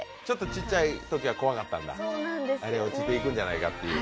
ちっちゃいときは怖かったんだ、落ちていくんじゃないかっていう。